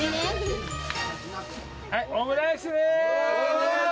はい、オムライスでーす。